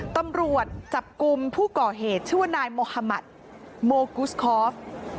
ตำรวจจับกลุ่มผู้ก่อเหตุชื่อว่านายโมฮามัติโมกุสคอฟ